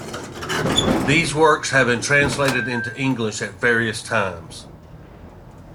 These works have been translated into English at various times.